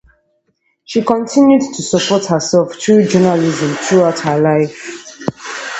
She continued to support herself through journalism throughout her life.